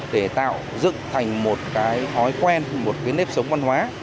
để tạo dựng thành một cái thói quen một cái nếp sống văn hóa